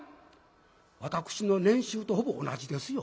私の年収とほぼ同じですよ。